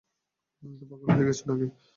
পাগল হয়ে গেছ নাকি?